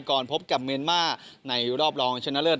ก่อนพบกับเมนเมื่อในรอบรองชนะเลิศ